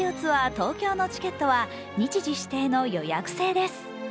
東京のチケットは日時指定の予約制です。